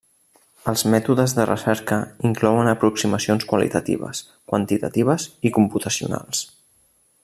Els mètodes de recerca inclouen aproximacions qualitatives, quantitatives i computacionals.